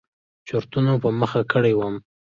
چورتونو په مخه کړى وم.